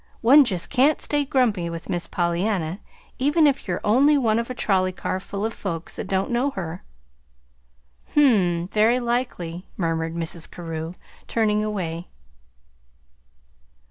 One just can't stay grumpy, with Miss Pollyanna, even if you're only one of a trolley car full of folks that don't know her." "Hm m; very likely," murmured Mrs. Carew, turning away.